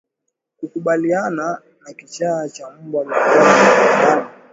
Kukabiliana na Kichaa cha mbwa miongoni mwa binadamu